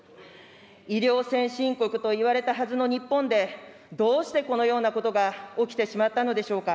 医療先進国といわれたはずの日本で、どうしてこのようなことが起きてしまったのでしょうか。